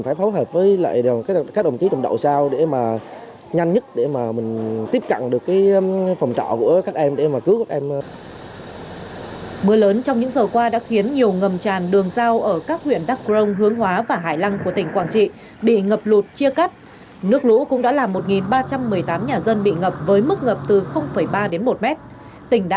tỉnh đã sơ tăng tỉnh đã sơ tăng tỉnh đã sơ tăng tỉnh đã sơ tăng tỉnh đã sơ tăng tỉnh đã sơ tăng tỉnh đã sơ tăng tỉnh đã sơ tăng